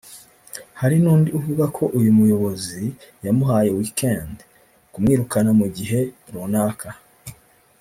Hari n’undi uvuga ko uyu muyobozi yamuhaye ‘weekend’ (kumwirukana mu gihe runaka)